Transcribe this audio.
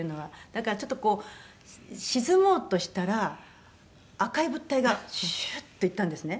だからちょっとこう沈もうとしたら赤い物体がシューッと行ったんですね」